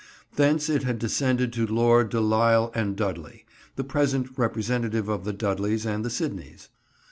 Thence it has descended to Lord de L'isle and Dudley, the present representative of the Dudleys and the Sidneys.